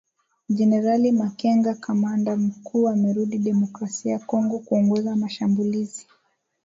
Generali Makenga kamanda mkuu amerudi Demokrasia ya Kongo kuongoza mashambulizi